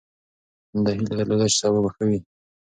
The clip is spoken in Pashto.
ده هیله درلوده چې سبا به ښه وي.